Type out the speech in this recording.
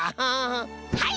はい！